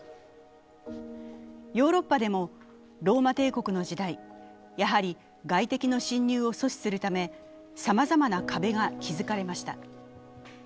ヨーロッパでもローマ帝国の時代、やはり外敵の侵入を阻止するためさまざまな壁が築かれました。